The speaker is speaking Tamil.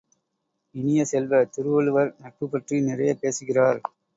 இனிய செல்வ, திருவள்ளுவர் நட்பு பற்றி நிறைய பேசுகிறார்.